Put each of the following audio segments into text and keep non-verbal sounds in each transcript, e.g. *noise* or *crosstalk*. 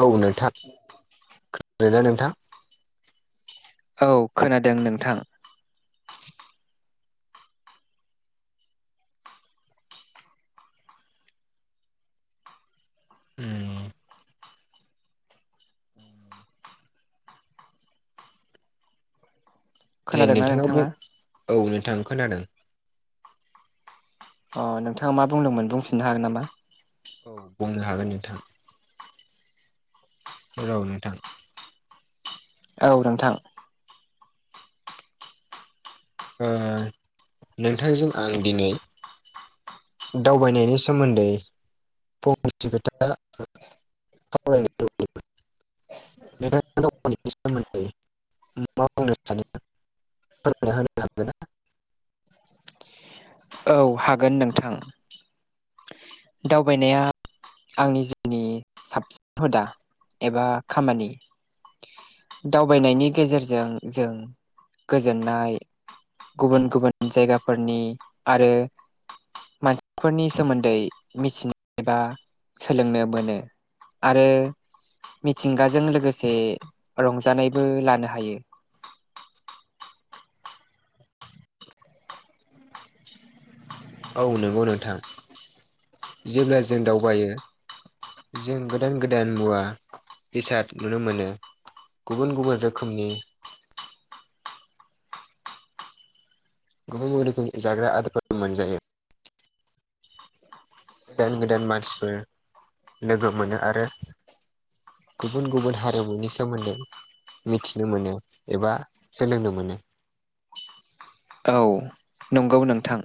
औ नोंथा खनदोना नोंथां। औ खोनादों नोंथां। उम देै नोंथाङा बुं औ नोंथां खोनादों। अ नोंथाङा मा बुंदोंमोन बुंफिननो हागोन नामा? औ बुंनो हागोन नोंथां। रौ नोंथां। औ नोंथां ओ नोंथांजों आं दिनै दावबायनायनि सोमोन्दै फंनैस खोथा *unintelligible* *unintelligible* औ हागोन नोंथां दावबायनाया आंनि जिउनि साबसिन हुदा एबा खामानि दावबायनायनि गेजेरजों जों गोजोननाय। गुबुन गुबुन जायगाफोरनि आरो मानसिफोरनि सोमोन्दै मिथिनो एबा सोलोंनो मोनो आरो मिथिंगाजों लोगोसे रंजानायबो लानो हायो। औ नंगौ नोंथां जेब्ला जों दावबायो। जों गोदान गोदान मुवा बेसाद नुनो मोनो। गुबुन गुबुन रोखोमनि गुबबुन गुबुन रोखोमनि जाग्रा आदारफोर मोनजायो। *inaudible* दान गोदान मानसिफोर लोगो मोनो आरो गुबुन गुबुन हारिमुनि सोमोन्दै। मिथिनो मोनो एबा सोलोंनो मोनो। औ नंगौ नोंथां।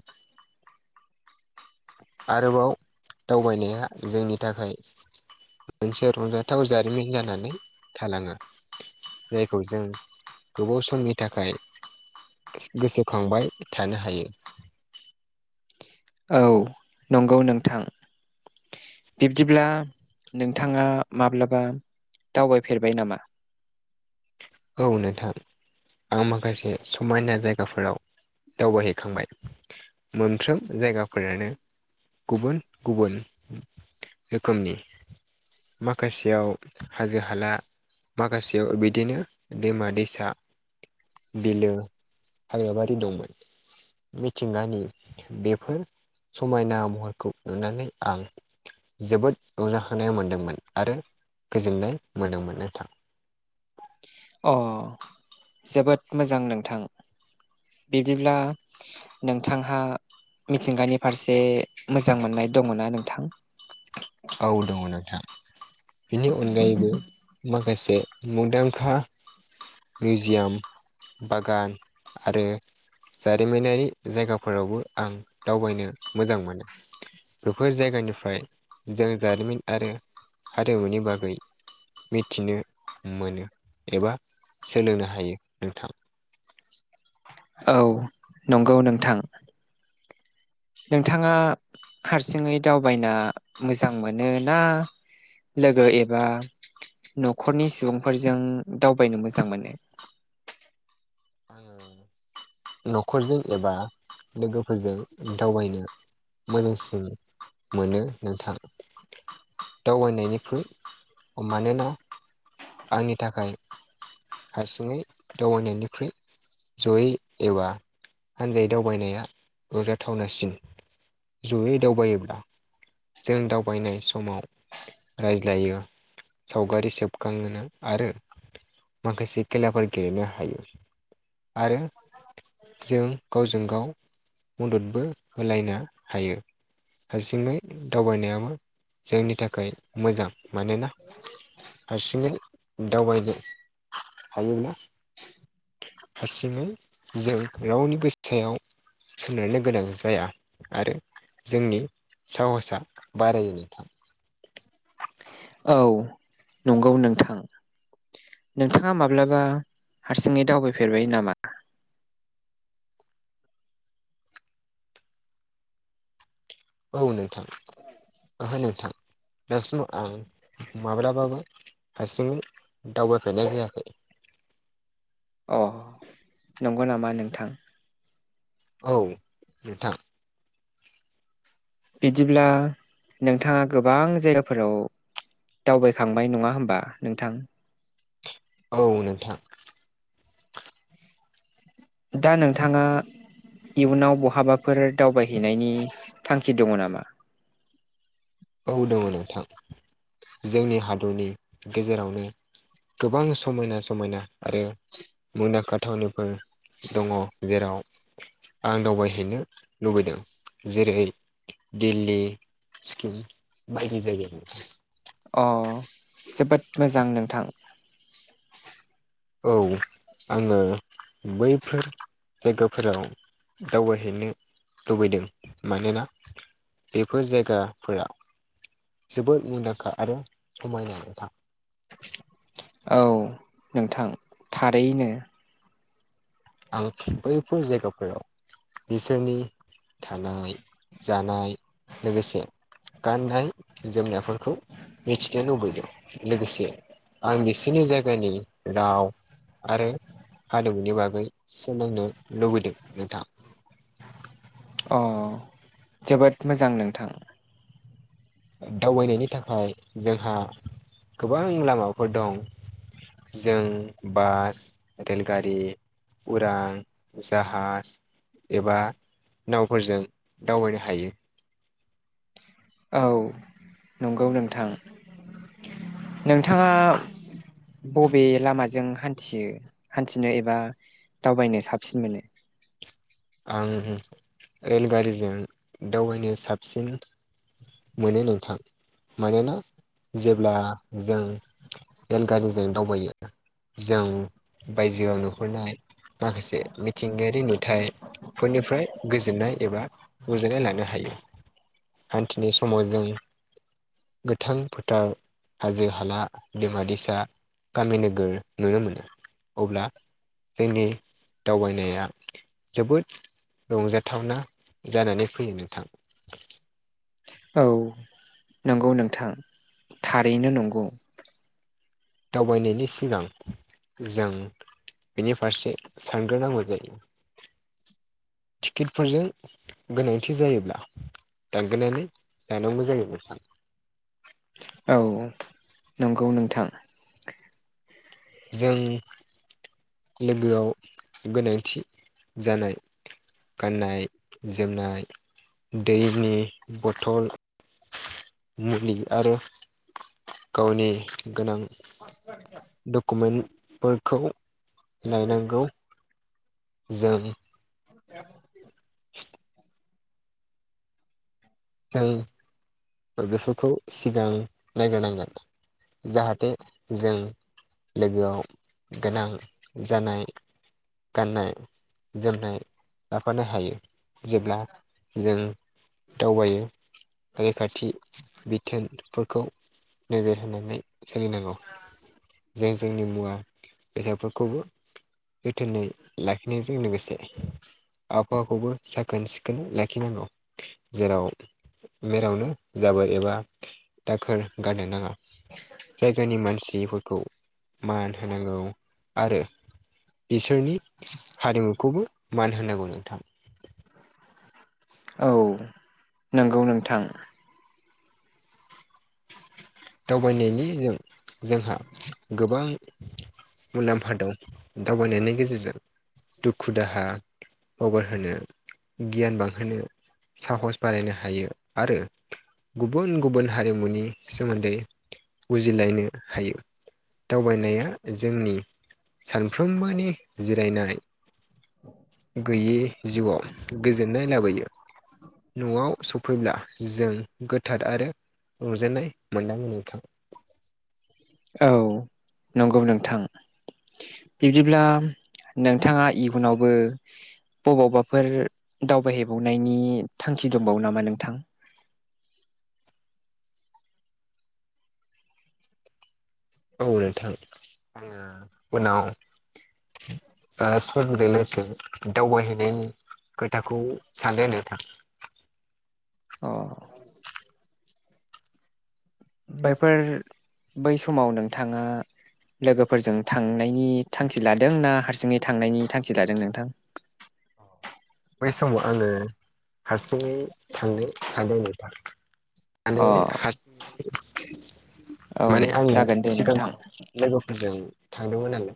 आरोबाव दावबायनाया जोंनि थाखाय मोनसे रंजाथाव जारिमिन जानानै थालाङो। जायखौ जों गोबाव समनि थाखाय गोसोखांबाय थानो हायो। औ। नंगौ नोंथां। बिब्दिब्ला नोंथाङा माब्लाबा दावबायफेरबाय नामा? औ नोंथां। आं माखासे समायना जायगाफोराव दावबायहैखांबाय। मोनफ्रोम जायगाफोरानो गुबुन गुबुन रोखोमनि। माखासेयाव हाजो हाला माखासेयाव बिदिनो दैमा दैसा बिलो हाग्राबारि दंमोन। मिथिंगानि बेफोर समायना महरखौ नुनानै आंफ जोबोद रंजाखोनाय मोन्दोंमोन आरो गोजोननाय मोनदोंमोन नथां। अ जोबोद मोजां नोंथां बिदिब्ला नोंथांहा मिथिंगानि फारसे मोजां मोननाय दङ ना नोंथां? औ दङ नोंथां बेनि अनगायैबो माखासे मुंदांखा मिउजियाम बागान आरो जारिमिनारि जायगाफोरावबो आं दावबायनो मोजां मोनो। बेफोर जायगानिफ्राय जों जारिमिन आरो हारिमुनि बागै मिथिनो मोनो एबा सोलोंनो हायो नोंथां। औ नंगौ नोंथां। नोंथाङा हारसिङै दावबायना मोजां मोनो ना लोगो एबा न'खरनि सुबुंफोरजों दावबायनो मोजां मोनो? आङो न'खरजों एबा लोगोफोरजों दावबायनो मोजांसिन मोनो नोंथां। दावबायनायनिफ्रुय मानोना आंनि थाखाय हारसिङै दावबायनायनिख्रुइ जयै एबा हान्जायै दावबायनाया गोजाथावनासिन। जयै दावबायोब्ला जों दावबायनाय समाव रायज्लायो सावगारि सेब खाङोना आरो माखासे खेलाफोर गेलेनो हायो। आरो जों गावजों गाव मददबो होलायनो हायो। हारसिङै दावबायनायाबो जोंनि थाखाय मोजां मानोना हारसिङै दावबायनो हायोब्ला हारसिङै जों रावनिबो सायाव सोनारनो गोनां जाया आरो जोंनि साहसआ बारायो नोंथां। औ नंगौ नोंथां। नोंथाङा माब्लाबा हारसिङै दावबायफेरबाय नामा? औ नोंथां ओहो नोंथां। दासिमाव आं माब्लाबाबो हारसिङै दावबायफेरनाय जायाखै। अ नंगौ नामा नोंथां? औ नोंथां। बिदिब्ला नोंथाङा गोबां जायगाफोराव दावबायखांबाय नङा होमबा नोंथां? औ नोंथां। दा नोंथाङा इयुनाव बहाबाफोर दावबाय हैनायनि थांखि दङ नामा? औ दङ नोंथां जोंनि हादरनि गेजेरावनो गोबां समायना समायना आरो मुंदांखा थावनिफोर दङ जेराव आं दावबायहैनो लुबैदों जेरै दिल्ली, सिक्किम बायदि जायगाव नोंथां। अ जोबोद मोजां नोंथां। औ आङो बैफोर जायगाफोराव दावबायहैनो लुबैदों मानोना बेफोर जायगाफोरा जोबोद मुंदांखा आरो समायना नोंथां। औ नोंथां थारैनो। आं बैफोर जायगाफोराव बिसोरनि थानाय जानाय लोगोसे गाननाय जोमनायफोरखौ मिथिनो लुबैदों लोगोसे आं बिसोरनि जायगानि राव आरो हारिमुनि बागै सोलोंनो लुबैदों नोंथां। अ जोबोद मोजां नोंथां। दावबायनायनि थाखाय जोंहा गोबां लामाफोर दं। जों बास रेलगारि उरां जाहाज एबा नावफोरजों दावबायनो हायो। औ नंगौ नोंथां नोंथाङा बबे लामाजों हान्थियो हान्थिनो एबा दावबायनो साबसिन मोनो। आं रेलगारिजों दावबायनो साबसिन मोनो नोंथां। मानोना जेब्ला जों रेलगारिजों दावबायो जों बायजोआव नुहुरनाय माखासे मिथिंगायारि नुथाय फोरनिफ्राय गोजोननाय एबा रुजोननाय लानो हायो। हान्थिनाय समाव जों गोथां फोथार हाजो हाला दैमा दैसा गामि नोगोर नुनो मोनो अब्ला जोंनि दावबायनाया जोबोद रंजाथावना जानानै फैयो नोंथां। औ नंगौ नोंथां थारैनो नंगौ। दावबायनायनि सिगां जों बेनि फारसे सानग्रो नांगौ जायो। टिकेटफोरजों गोनांथि जायोब्ला दांगोनानै जानांगौ जायो म सा औ नंगौ नोंथां। जों लोगोआव गोनांथि जानाय गाननाय जोमनाय दैनि बथल मुलि आरो गावनि गोनां डकुमेन्टफोरखौ लायनांगौ जों जों फोर बेफोरखौ सिगां नायगिरनांगोन। जाहाथे जों लोगोआव गोनां जानाय गाननाय जोमनाय लाफानो हायो। जेब्ला जों दावबायो रैखाथि बिथोनफोरखौ नोबोर होनानै सोलिनांगौ। जे जोंनि मुवा बेसादफोरखौबो जोथोनै लाखिनायजों लोगोसे आबहावाखौबो साखोन सिखोन लाखिनांगौ जेराव मेरावनो जाबोर एबा दाखोर गारनो नाङा। जायगानि मानसिफोरखौ मान होनांगौ आरो बिसोरनि हारिमुखौबो मान होनांगौ नोंथां। औ नंगौ नोंथां। दावबायनायनि जों- जोंहा गोबां मुलाम्फा दं। दावबायनायनि गेजेरजों दुखु दाहा अगर होनो गियान बांहोनो साहस बानायनो हायो आरो गुबुन गुबुन हारिमुनि सोमोन्दै बुजिलायनो हायो। दावबायनाया जोंनि सानफ्रोमबोनि जिरायनाय गैयै जिउआव गोजोननाय लाबोयो। न'आव सफैब्ला जों गोथार आरो रुजेननाय मोनदांगोन नोंथां। औ नंगौ नोंथां। बिब्दिब्ला नोंथाङा इयुनावबो बबावबाफोर दावबायहैबावनायनि थांखि दंबावो नामा नोंथां। औ नोंथां उनाव सललसै दावबायहैनायनि खोथाखौ सानदों नोंथां। अ बैफोर बै समाव नोंथाङा लोगोफोरजों थांनायनि थांखि लादों ना हारसिङै थांनायनि थांखि लादों नोंथां? बै समाव आङो हारसिङै थांनो सानदों नोंथां। माने अ हारसिङै औ माने आङो जागोन दे नोंथां सिगाङाव लोगोफोरजों थांदोंमोन आरो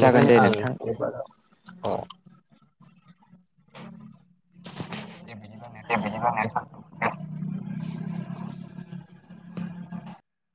जागोन दे आं नोंथां अ *inaudible* बे बिदिब्ला दे नोंथां। बिदिबा